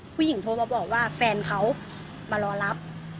โทรมาบอกว่าแฟนเขามารอรับ